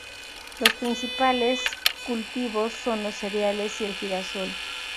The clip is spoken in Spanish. Los principales cultivos son los cereales y el girasol.